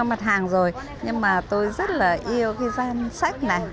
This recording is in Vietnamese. các mặt hàng rồi nhưng mà tôi rất là yêu cái danh sách này